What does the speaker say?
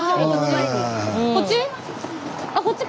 こっち？